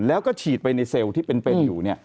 แล้วก็ฉีดไปในเซลล์ที่เป็นอยู่